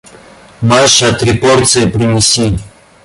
Маша, три порции принеси.